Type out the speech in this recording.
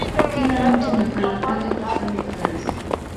kila mtu mahala pake tufanye kazi